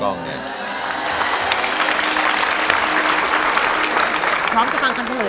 ร้องได้เห็นแม่มีสุขใจ